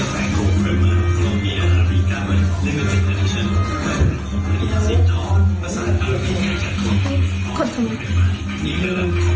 คนที่นี่